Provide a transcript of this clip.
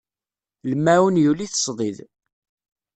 Lmaɛun yuli-t ṣdid.